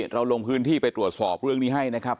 ลงพื้นที่ไปตรวจสอบเรื่องนี้ให้นะครับ